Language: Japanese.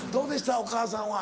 お母さんは。